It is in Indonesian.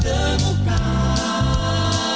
di akhirat buram karim sdrivei